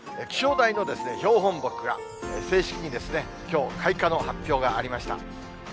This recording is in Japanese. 気象台の標本木が正式にきょう、開花の発表がありました。